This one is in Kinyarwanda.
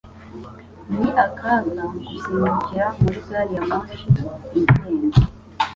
Ni akaga gusimbukira muri gari ya moshi igenda.